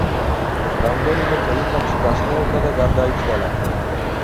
რამდენიმე წელიწადში დასნეულდა და გარდაიცვალა.